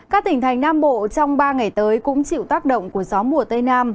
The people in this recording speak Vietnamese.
các tỉnh thành nam bộ trong ba ngày tới cũng chịu tác động của gió mùa tây nam